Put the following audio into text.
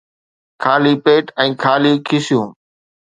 خالي پيٽ ۽ خالي کيسيون